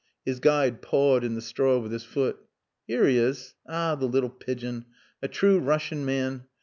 His guide pawed in the straw with his foot. "Here he is. Ah! the little pigeon. A true Russian man.